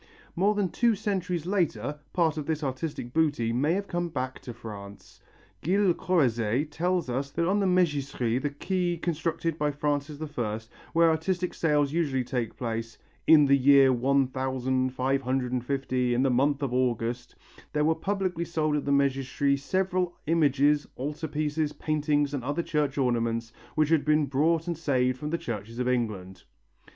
More than two centuries later, part of this artistic booty may have come back to France. Gilles Corrozet tells us that on the Mégisserie, the quay constructed by Francis I, where artistic sales usually took place, "in the year one thousand five hundred and fifty, in the month of August, there were publicly sold in the Mégisserie several images, altar pieces, paintings and other church ornaments, which had been brought and saved from the churches of England."